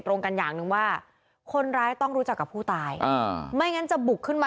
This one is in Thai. ตรงกันอย่างหนึ่งว่าคนร้ายต้องรู้จักกับผู้ตายอ่าไม่งั้นจะบุกขึ้นมา